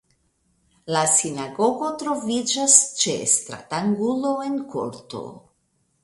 La sinagogo troviĝas ĉe stratangulo en korto.